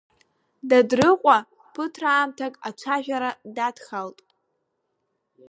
Дадрыҟәа ԥыҭраамҭак ацәажәара дадхалт.